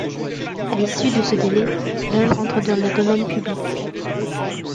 À l’issue de ce délai, l’œuvre entre dans le domaine public.